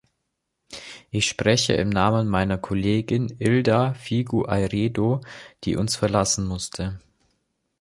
Ich spreche im Namen meiner Kollegin Ilda Figueiredo, die uns verlassen musste.